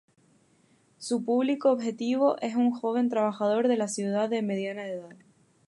Su público objetivo es un joven trabajador de la ciudad de mediana edad.